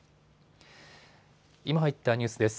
今入ったニュースです。